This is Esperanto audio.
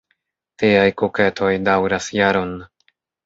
Tiaj kuketoj daŭras jaron.